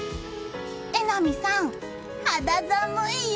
榎並さん、肌寒いよ。